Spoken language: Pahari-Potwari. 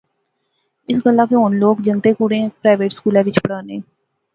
اس گلاہ کہ ہن لوک کنگتیں کڑئیں پرائیویٹ سکولیں وچ پڑھانے